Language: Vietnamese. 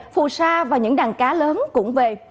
phù sa và những đàn cá lớn cũng về